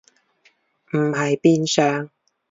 唔係變上？